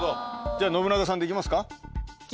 じゃあ信長さんで行きますか？